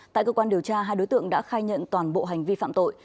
tại cơ quan điều tra hai đối tượng đã khai nhận toàn bộ hành vi phạm tội